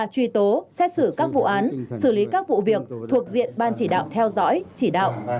truy tố xét xử các vụ án xử lý các vụ việc thuộc diện ban chỉ đạo theo dõi chỉ đạo